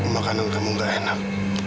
makanan kamu nggak enak